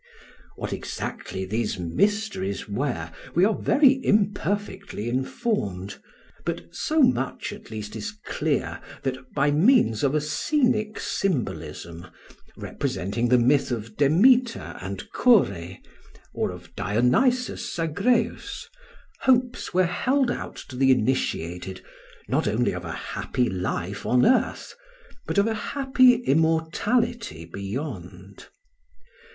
What exactly these "mysteries" were we are very imperfectly informed; but so much, at least, is clear that by means of a scenic symbolism, representing the myth of Demeter and Kore or of Dionysus Zagreus, hopes were held out to the initiated not only of a happy life on earth, but of a happy immortality beyond.